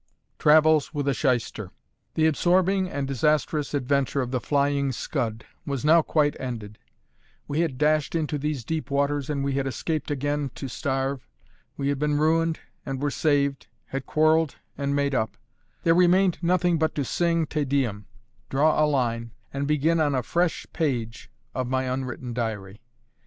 TRAVELS WITH A SHYSTER. The absorbing and disastrous adventure of the Flying Scud was now quite ended; we had dashed into these deep waters and we had escaped again to starve, we had been ruined and were saved, had quarrelled and made up; there remained nothing but to sing Te Deum, draw a line, and begin on a fresh page of my unwritten diary.